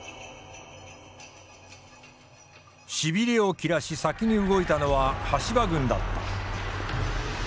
しびれを切らし先に動いたのは羽柴軍だった。